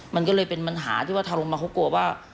มันก็เลยเป็นปัญหาที่ว่าทางลงมาเขากลัวว่า